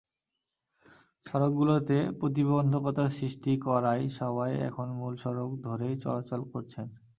সড়কগুলোতে প্রতিবন্ধকতা সৃষ্টি করায় সবাই এখন মূল সড়ক ধরেই চলাচল করছেন।